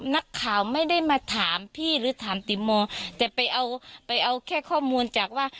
นักข่าวไม่ได้มาถามพี่หรือถามติโมแต่ไปเอาไปเอาแค่ข้อมูลจากว่า